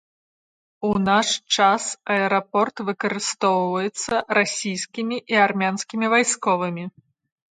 У наш час аэрапорт выкарыстоўваецца расійскімі і армянскімі вайсковымі.